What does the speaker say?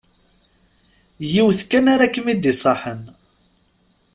Yiwet kan ara kem-id-iṣaḥen.